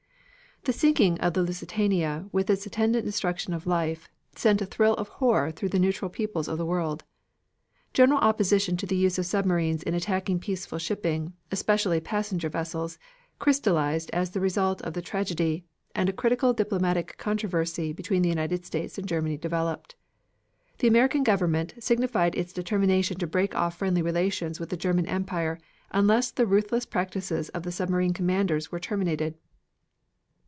The sinking of the Lusitania, with its attendant destruction of life, sent a thrill of horror through the neutral peoples of the world. General opposition to the use of submarines in attacking peaceful shipping, especially passenger vessels, crystallized as the result of the tragedy, and a critical diplomatic controversy between the United States and Germany developed. The American Government signified its determination to break off friendly relations with the German Empire unless the ruthless practices of the submarine commanders were terminated.